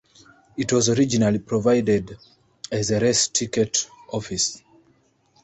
It was originally provided as a race ticket office.